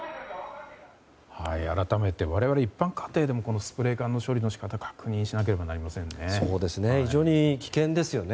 改めて我々、一般家庭でもスプレー缶の処理の仕方確認しなければなりませんね。